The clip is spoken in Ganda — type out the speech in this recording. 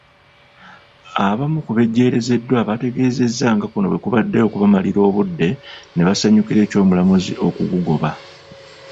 Abamu ku bejjeerezeddwa bategeezezza nga kuno bwe kubadde okubamalira obudde ne basanyukira eky'omulamuzi okugugoba.